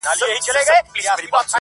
يو په يو يې لوڅېدله اندامونه !.